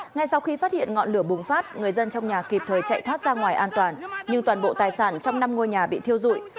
ngay sau khi phát hiện ngọn lửa bùng phát người dân trong nhà kịp thời chạy thoát ra ngoài an toàn nhưng toàn bộ tài sản trong năm ngôi nhà bị thiêu dụi